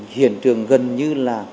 hiện trường gần như là